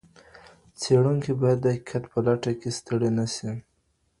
څېړونکی باید د حقیقت په لټه کي ستړی نه سي.